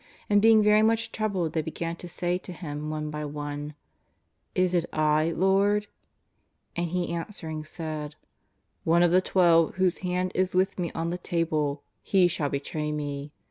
And being very much troubled they began to say to Him one by one :" Is it I, Lord ?" And He answering said :" One of the Twelve whose hand is with Me on the table, he shall betray Me.